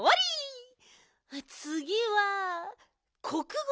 つぎはこくご